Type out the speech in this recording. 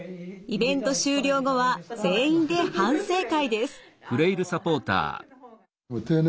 イベント終了後は全員で反省会です。